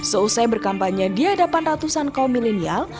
seusai berkampanye di hadapan ratusan kaum milenial